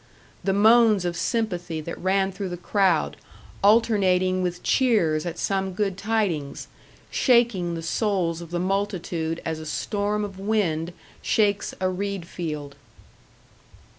The moans of sympathy that ran through the crowd, alternating with cheers at some good tidings, shaking the souls of the multitude as a storm of wind shakes a reed field!